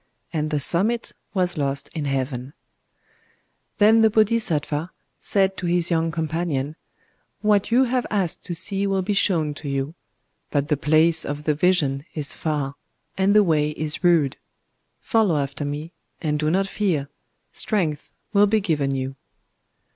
And the summit was lost in heaven. Then the Bodhisattva said to his young companion:—"What you have asked to see will be shown to you. But the place of the Vision is far; and the way is rude. Follow after me, and do not fear: strength will be given you."